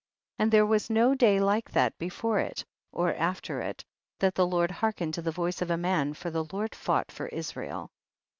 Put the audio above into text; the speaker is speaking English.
65. And there was no day like that, before it or after it, that the Lord hearkened to the voice of a man, for the Lord fought for Israel.